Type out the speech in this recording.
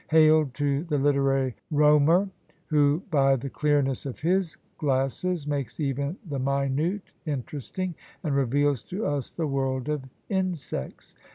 Hail to the literary Reaumur, who by the clearness of his glasses makes even the minute interesting, and reveals to us the world of insects!